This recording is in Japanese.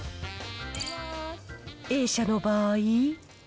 Ａ社の場合。